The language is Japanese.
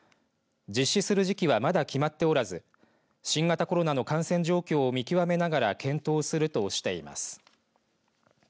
実施する時期はまだ決まっておらず新型コロナの感染状況を見極めながら検討するとしています。